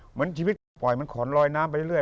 เหมือนชีวิตคุณปล่อยมันขอนลอยน้ำไปเรื่อย